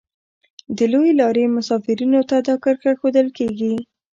د لویې لارې مسافرینو ته دا کرښه ښودل کیږي